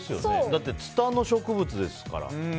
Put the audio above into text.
だって、ツタの植物ですから。